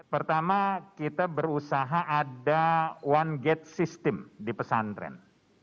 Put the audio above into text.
pertama kita berusaha ada one gate system di pesantren